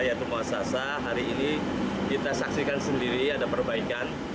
yaitu muasasa hari ini kita saksikan sendiri ada perbaikan